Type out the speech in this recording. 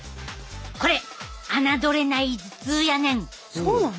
これ侮れない頭痛やねん。